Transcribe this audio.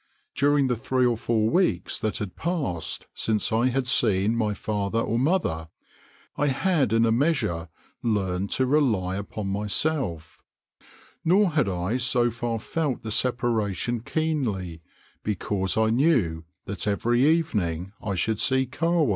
During the three or four weeks that had passed since I had seen my father or mother, I had in a measure learned to rely upon myself; nor had I so far felt the separation keenly, because I knew that every evening I should see Kahwa.